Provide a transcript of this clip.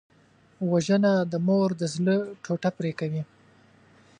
وژنه د مور د زړه ټوټه پرې کوي